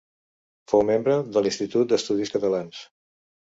Fou membre de l'Institut d'Estudis Catalans.